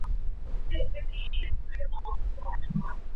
斯氏新梅花介为新梅花介科新梅花介属下的一个种。